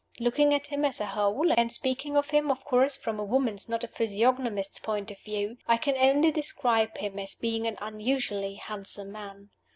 Looking at him as a whole (and speaking of him, of course, from a woman's, not a physiognomist's point of view), I can only describe him as being an unusually handsome man.